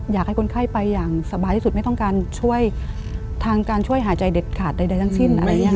อยากให้คนไข้ไปอย่างสบายที่สุดไม่ต้องการช่วยทางการช่วยหายใจเด็ดขาดใดทั้งสิ้นอะไรอย่างนี้ค่ะ